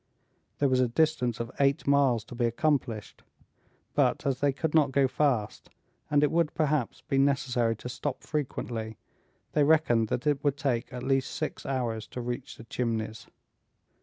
There was a distance of eight miles to be accomplished; but, as they could not go fast, and it would perhaps be necessary to stop frequently, they reckoned that it would take at least six hours to reach the Chimneys.